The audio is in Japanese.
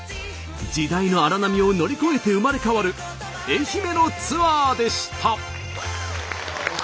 時代の荒波を乗り越えて生まれ変わる愛媛のツアーでした。